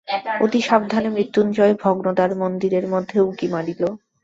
অতি সাবধানে মৃত্যুঞ্জয় ভগ্নদ্বার মন্দিরের মধ্যে উঁকি মারিল।